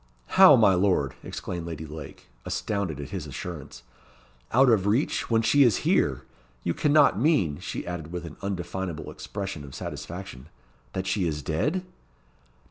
"How, my lord!" exclaimed Lady Lake, astounded at his assurance. "Out of reach, when she is here! You cannot mean," she added, with an undefinable expression of satisfaction, "that she is dead?"